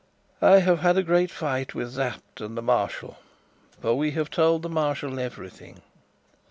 "I have had a great fight with Sapt and the Marshal for we have told the Marshal everything.